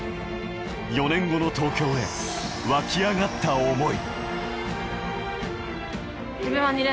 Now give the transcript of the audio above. ４年後の東京へわき上がった思い。